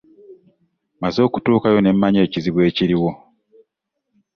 Mmaze kutuukayo ne mmanya ekizibu ekiriwo.